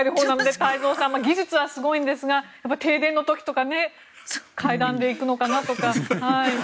太蔵さん、技術はすごいんですが停電の時とか階段で行くのかなとか。